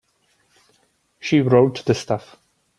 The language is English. She wrote the stuff.